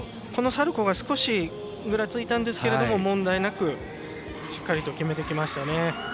このサルコーが少しぐらついたんですが問題なく、しっかりと決めてきましたね。